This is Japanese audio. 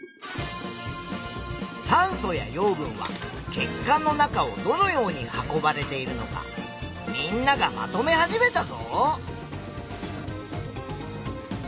酸素や養分は血管の中をどのように運ばれているのかみんながまとめ始めたぞ！